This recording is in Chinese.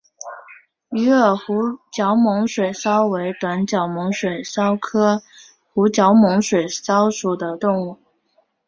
鱼饵湖角猛水蚤为短角猛水蚤科湖角猛水蚤属的动物。